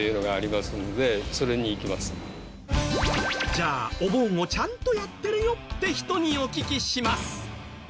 じゃあお盆をちゃんとやってるよって人にお聞きします。